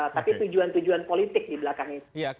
tapi tujuan tujuan politik di belakang ini